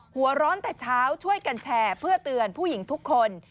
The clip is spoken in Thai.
หัวร้อนแต่เช้าช่วยกันแชร์เพื่อเตือนผู้หญิงทุกคน